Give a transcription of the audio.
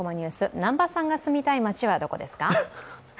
南波さんが住みたい街はどこですか？